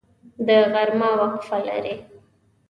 د غرمې وقفه لرئ؟